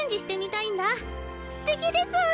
すてきですぅ！